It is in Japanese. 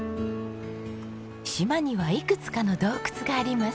島にはいくつかの洞窟があります。